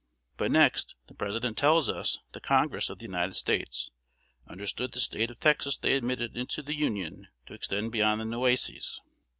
But next, the President tells us, the Congress of the United States understood the State of Texas they admitted into the Union to extend beyond the Nueces.